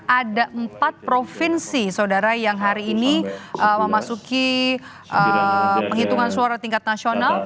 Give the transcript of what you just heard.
ada empat provinsi saudara yang hari ini memasuki penghitungan suara tingkat nasional